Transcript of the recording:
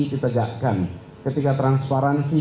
ditegakkan ketika transparansi